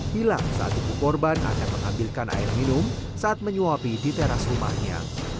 hilang saat ibu korban akan mengambilkan air minum saat menyuapi di teras rumahnya